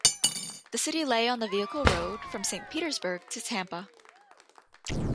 The city lay on the vehicle road from Saint Petersburg to Tampa.